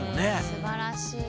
すばらしい。